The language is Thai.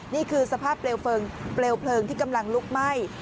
นี่คือสภาพเปลวเพลิงที่กำลังลุกไหม้